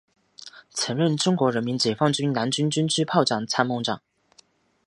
曾任中国人民解放军南京军区炮兵参谋长。